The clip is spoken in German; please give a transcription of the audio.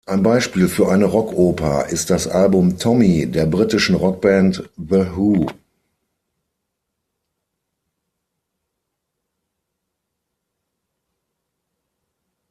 Ein Beispiel für eine Rockoper ist das Album "Tommy" der britischen Rockband The Who.